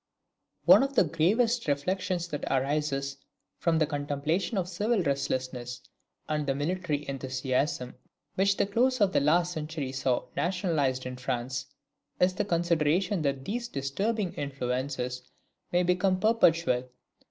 ] One of the gravest reflections that arises from the contemplation of the civil restlessness and military enthusiasm which the close of the last century saw nationalised in France, is the consideration that these disturbing influences have become perpetual.